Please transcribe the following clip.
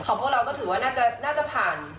พวกเราก็ถือว่าน่าจะผ่าน